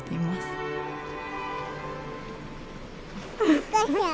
お母しゃん。